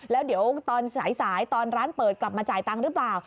แล้วเดี๋ยวตอนสายตอนร้านเปิดกลับมาจ่ายตังค์หรือเปล่า